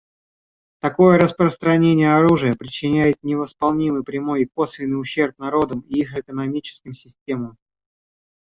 Такое распространение оружия причиняет невосполнимый — прямой и косвенный — ущерб народам и их экономическим системам.